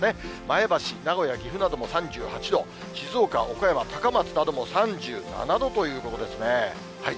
前橋、名古屋、岐阜なども３８度、静岡、岡山、高松なども３７度ということですね。